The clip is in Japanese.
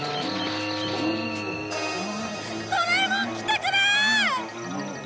ドラえもん来てくれ！